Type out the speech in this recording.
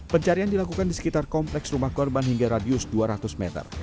pencarian dilakukan di sekitar kompleks rumah korban hingga radius dua ratus meter